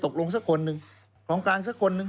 กล่องกลางสักคนหนึ่ง